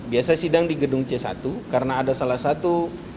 biasa sidang di gedung c satu karena ada salah satu